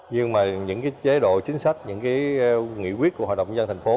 nhưng mà những chế độ chính sách những nghị quyết của hội đồng nhân thành phố